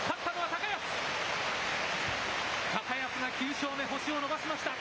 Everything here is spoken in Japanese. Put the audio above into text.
高安が９勝目、星を伸ばしました。